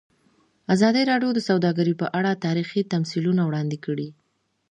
ازادي راډیو د سوداګري په اړه تاریخي تمثیلونه وړاندې کړي.